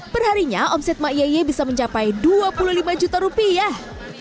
perharinya omset ma yieye bisa mencapai dua puluh lima juta rupiah